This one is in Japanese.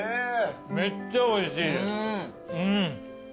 めっちゃおいしいです。